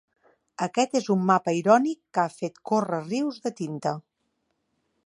Aquest és un mapa irònic que ha fet córrer rius de tinta.